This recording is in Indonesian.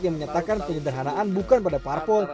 yang menyatakan penyederhanaan bukan pada parpol